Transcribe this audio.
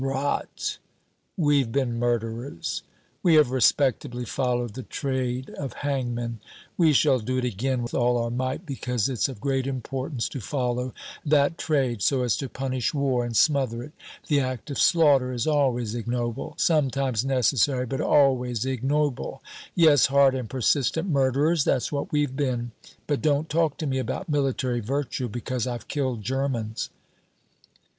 Rot! We've been murderers. We have respectably followed the trade of hangmen. We shall do it again with all our might, because it's of great importance to follow that trade, so as to punish war and smother it. The act of slaughter is always ignoble; sometimes necessary, but always ignoble. Yes, hard and persistent murderers, that's what we've been. But don't talk to me about military virtue because I've killed Germans."